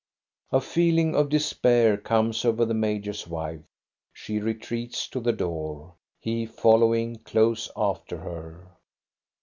A feeling of despair comes over the major's wife. She retreats to the door, he following close after her.